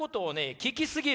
聞きすぎる。